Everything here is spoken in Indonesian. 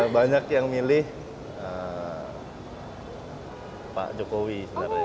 banyak yang milih pak jokowi sebenarnya